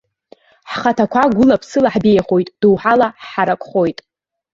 Ҳхаҭақәа гәылаԥсыла ҳбеиахоит, доуҳала ҳҳаракхоит.